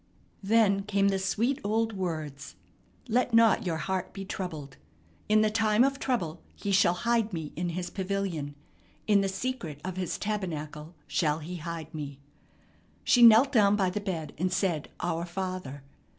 Then came the sweet old words, "Let not your heart be troubled." "In the time of trouble he shall hide me in his pavilion; in the secret of his tabernacle shall he hide me." She knelt down by the bed and said "Our Father."